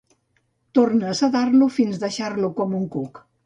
Torna a sedar-lo fins deixar-lo com un cuc.